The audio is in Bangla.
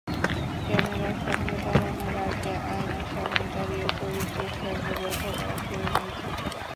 ক্যামেরার সামনে দাঁড়ানোর আগে আয়নার সামনে দাঁড়িয়ে চরিত্রের সঙ্গে বোঝাপড়া সেরে নিয়েছি।